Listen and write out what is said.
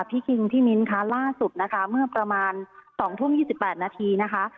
คิงพี่มิ้นค่ะล่าสุดนะคะเมื่อประมาณ๒ทุ่ม๒๘นาทีนะคะ